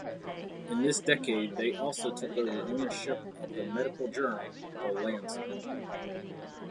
In this decade they also took over ownership of the medical journal, "The Lancet".